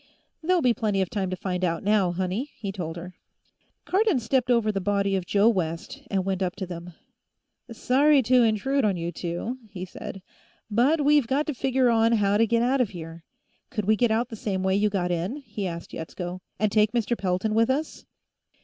"There'll be plenty of time to find out, now, honey," he told her. Cardon stepped over the body of Joe West and went up to them. "Sorry to intrude on you two," he said, "but we've got to figure on how to get out of here. Could we get out the same way you got in?" he asked Yetsko. "And take Mr. Pelton with us?"